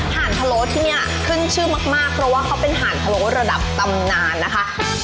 ่านพะโล้ที่นี่ขึ้นชื่อมากเพราะว่าเขาเป็นหานพะโล้ระดับตำนานนะคะ